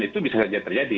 itu bisa saja terjadi